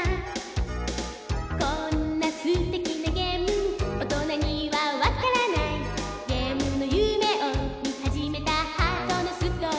「こんなすてきなゲーム大人にはわからない」「ゲームの夢をみはじめたハートのストーリー」